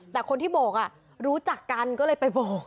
แต่คนที่โบกรู้จักกันก็เลยไปโบก